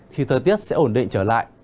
thì thời tiết sẽ ổn định trở lại